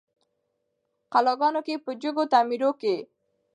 قلاګانو کي په جګو تعمیرو کي